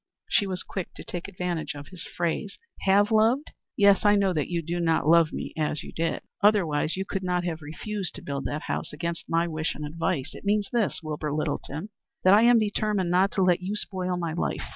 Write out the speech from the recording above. She was quick to take advantage of his phrase. "Have loved? Yes, I know that you do not love me as you did; otherwise you could not have refused to build that house, against my wish and advice. It means this, Wilbur Littleton, that I am determined not to let you spoil my life.